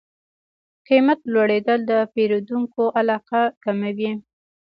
قیمت لوړېدل د پیرودونکو علاقه کموي.